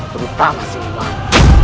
terutama si iman